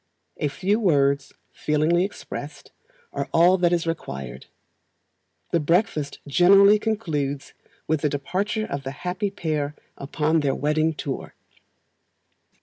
A few words, feelingly expressed, are all that is required. The breakfast generally concludes with the departure of the happy pair upon their wedding tour.